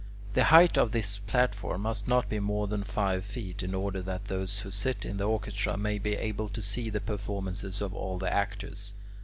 The height of this platform must be not more than five feet, in order that those who sit in the orchestra may be able to see the performances of all the actors.